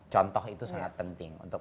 contoh itu sangat penting untuk